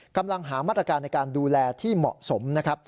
กำลังหามาตรการในการดูแลที่เหมาะสมนะครับ